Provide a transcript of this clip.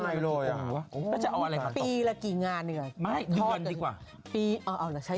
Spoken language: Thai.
ถ้าจะเอาอะไรของตอนนี้ปีละกี่งานหนึ่งกว่าทอดดีกว่าปีอ๋อเอาละใช่